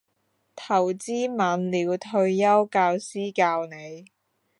投資晚鳥退休教師教你